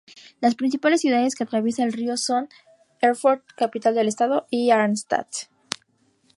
Las principales ciudades que atraviesa el río son Erfurt, capital del estado, y Arnstadt.